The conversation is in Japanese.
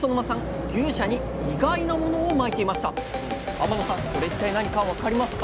天野さんこれ一体何か分かりますか？